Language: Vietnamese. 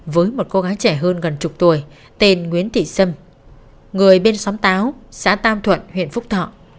với một cô gái trẻ hơn gần chục tuổi tên nguyễn thị sâm người bên xóm táo xã tam thuận huyện phúc thọ